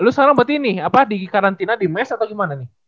lu sekarang buat ini apa di karantina di mes atau gimana nih